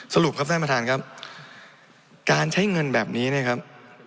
สรุปครับท่านประธานครับการใช้เงินแบบนี้นะครับ